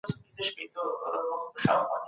باورونه باید پر علم ولاړ وي.